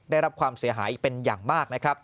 ได้รับความเสียหายเป็นอย่างมาก